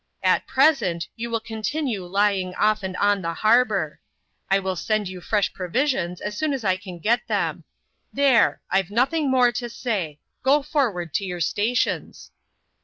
At present, you will continue lying off and on the harbour. I will send you fresh provisions as soon as I can get them. There : I've nothing more to say ; go forward to your stations."